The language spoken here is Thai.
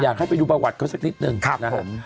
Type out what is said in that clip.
อยากให้ไปดูประวัติเขาสักนิดนึงนะครับผม